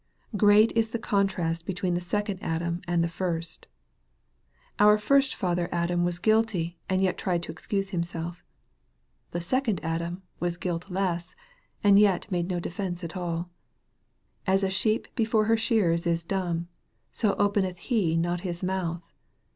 Great is the contrast between the second Adam and the first ! Our first father Adam was guilty, and yet tried to excuse him self. The second Adam was guiltless, and yet made no defence at all. " As a sheep before her shearers is dumb, rjo openeth he not his mouth."